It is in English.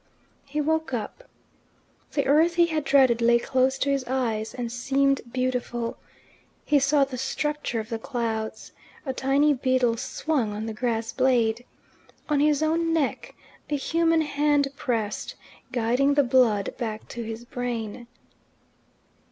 He woke up. The earth he had dreaded lay close to his eyes, and seemed beautiful. He saw the structure of the clods. A tiny beetle swung on the grass blade. On his own neck a human hand pressed, guiding the blood back to his brain.